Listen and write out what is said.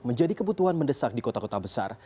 menjadi kebutuhan mendesak di kota kota besar